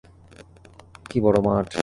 কী বড় মাঠ!